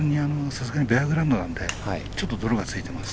ベアグラウンドなのでちょっと泥がついてます。